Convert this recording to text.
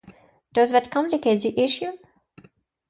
Does that complicate the issue?